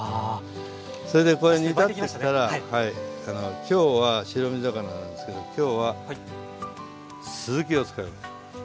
それでこれ煮立ってきたら今日は白身魚なんですけど今日はすずきを使います。